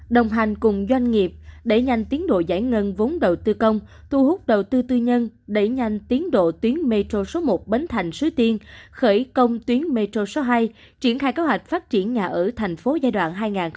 đồng hành cùng doanh nghiệp đẩy nhanh tiến độ giải ngân vốn đầu tư công thu hút đầu tư tư nhân đẩy nhanh tiến độ tuyến metro số một bến thành suối tiên khởi công tuyến metro số hai triển khai kế hoạch phát triển nhà ở thành phố giai đoạn hai nghìn một mươi sáu hai nghìn hai mươi năm